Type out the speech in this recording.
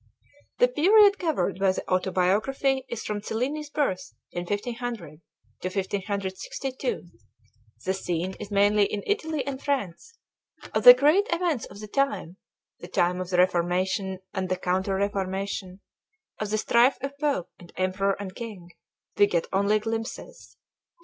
The period covered by the autobiography is from Cellini's birth in 1500 to 1562; the scene is mainly in Italy and France. Of the great events of the time, the time of the Reformation and the Counter Reformation, of the strife of Pope and Emperor and King, we get only glimpses.